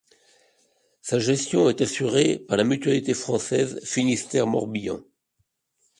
Sa gestion est assurée par la Mutualité française Finistère-Morbihan.